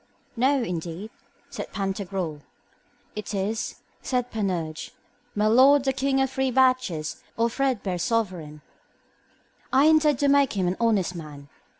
No, indeed, said Pantagruel. It is, said Panurge, my lord the king of the three batches, or threadbare sovereign. I intend to make him an honest man.